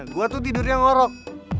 gua tuh tidurnya ngorok